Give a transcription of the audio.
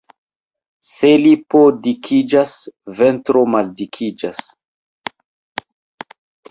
Se lipo dikiĝas, ventro maldikiĝas.